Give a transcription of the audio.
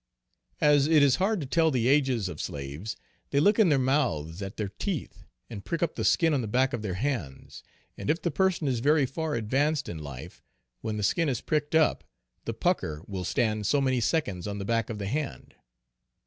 As it is hard to tell the ages of slaves, they look in their mouths at their teeth, and prick up the skin on the back of their hands, and if the person is very far advanced in life, when the skin is pricked up, the pucker will stand so many seconds on the back of the hand.